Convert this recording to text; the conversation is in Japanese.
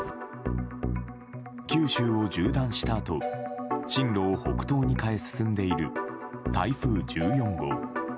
九州を縦断したあと進路を北東に変え進んでいる台風１４号。